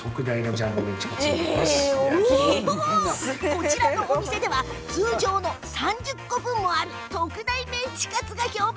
こちらのお店では通常の３０個分もある特大メンチカツが評判！